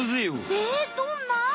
えどんな？